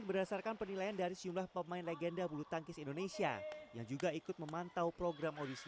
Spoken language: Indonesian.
berdasarkan penilaian dari jumlah pemain legenda bulu tangkis indonesia yang juga ikut perhubungan dan mengelola kejayaan trus terima kasih